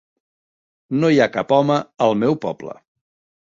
No hi ha cap home al meu poble.